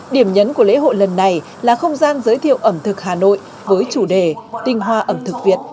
điểm nhấn của lễ hội lần này là không gian giới thiệu ẩm thực hà nội với chủ đề tinh hoa ẩm thực việt